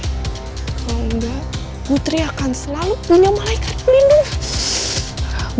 kalau enggak putri akan selalu punya malaikat pelindungan